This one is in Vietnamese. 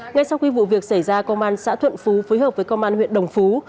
ngay sau khi vụ việc xảy ra công an xã thuận phú phối hợp với công an huyện đồng phú